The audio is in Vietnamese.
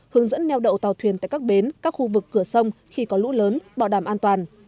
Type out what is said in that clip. hướng dẫn neo đậu tàu thuyền tại các bến các khu vực cửa sông khi có lũ lớn bảo đảm an toàn